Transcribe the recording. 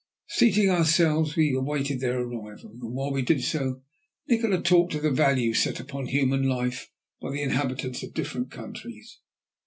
Seating ourselves we awaited their arrival, and while we did so, Nikola talked of the value set upon human life by the inhabitants of different countries.